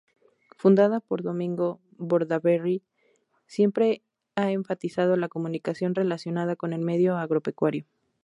Fundada por Domingo Bordaberry, siempre ha enfatizado la comunicación relacionada con el medio agropecuario.